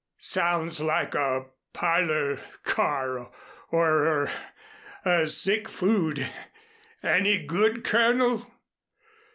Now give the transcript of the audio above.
"Sounds like a parlor car or er a skin food. Any good, Colonel?"